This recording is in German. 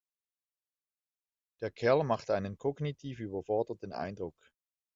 Der Kerl macht einen kognitiv überforderten Eindruck.